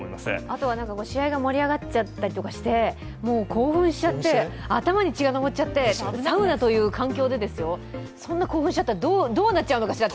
あとは試合が盛り上がっちゃったりして、もう興奮しちゃって、頭に血が上っちゃって、サウナという環境でそんな興奮しちゃったらどうなっちゃうのかしら。